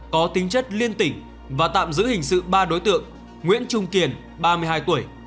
có tính chất liên tỉnh và tạm giữ hình sự ba đối tượng nguyễn trung kiên ba mươi hai tuổi